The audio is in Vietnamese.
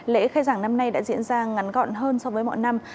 lễ khai giảng năm nay đã diễn ra ngắn gọn hơn so với mọi năm